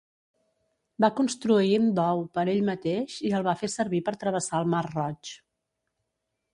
Va construir un dhow per a ell mateix i el va fer servir per travessar el mar Roig.